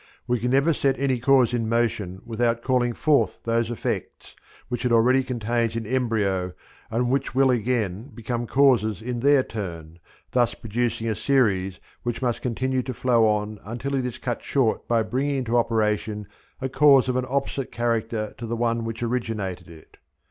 We can never set any cause in motion without calling forth those effects which it already contains in embryo and which will again become causes in their turn, thus producing a series which must continue to flow on until it is cut short by bringing into operation a cause of an opposite character to the one which originated it.